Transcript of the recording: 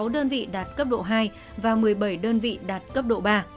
chín mươi sáu đơn vị đạt cấp độ hai và một mươi bảy đơn vị đạt cấp độ ba